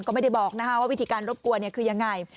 ก็ไม่ได้บอกว่าวิธีการรบกวนคือยังไง